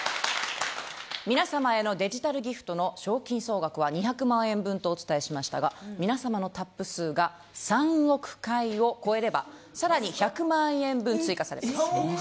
皆さまへのデジタルギフトの賞金総額は２００万円分とお伝えしましたが皆さまのタップ数が３億回を超えればさらに１００万円分追加されます。